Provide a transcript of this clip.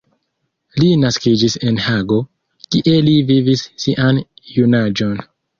Li naskiĝis en Hago, kie li vivis sian junaĝon.